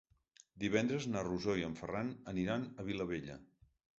Divendres na Rosó i en Ferran aniran a Vilabella.